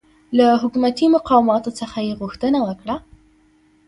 له حکومتي مقاماتو څخه یې غوښتنه وکړه